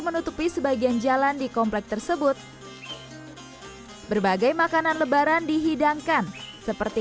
menutupi sebagian jalan di komplek tersebut berbagai makanan lebaran dihidangkan seperti